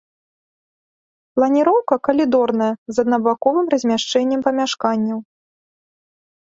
Планіроўка калідорная з аднабаковым размяшчэннем памяшканняў.